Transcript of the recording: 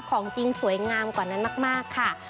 ของจริงสวยงามกว่านั้นมากค่ะ